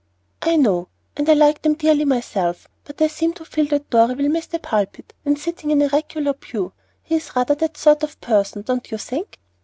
"I know, and I like them dearly myself; but I seem to feel that Dorry will miss the pulpit and sitting in a regular pew. He's rather that sort of person, don't you think?"